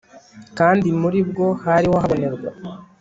kandi muri bwo ari ho habonerwa ubutunzi nyakuri n'ibyishimo bihebuje